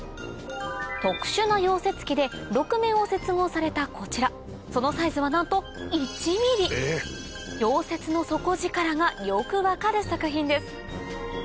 特殊な溶接機で６面を接合されたこちらそのサイズはなんと溶接の底力がよく分かる作品です